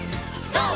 ＧＯ！